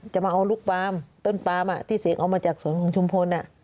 จะมาเอาลูกปามต้นปามที่เสียงเอามาจากสวนของชุมพล